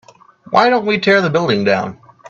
why don't we tear the building down?